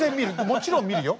もちろん見るよ。